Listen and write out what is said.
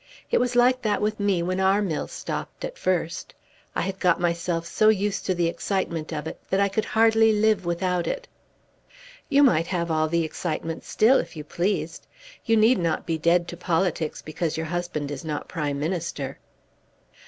It was like that with me when our mill stopped at first. I had got myself so used to the excitement of it, that I could hardly live without it." "You might have all the excitement still, if you pleased. You need not be dead to politics because your husband is not Prime Minister."